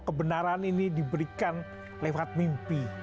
kebenaran ini diberikan lewat mimpi